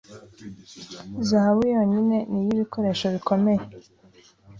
Zahabu yonyine ni iy'ibikoresho bikomeye